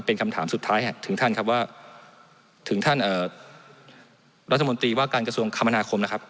เป็นคำถามสุดท้ายถึงท่านครับว่าถึงท่านรัฐมนตรีว่าการกระทรวงคมนาคมนะครับ